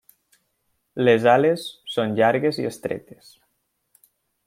Les ales són llargues i estretes.